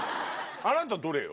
あなたどれよ？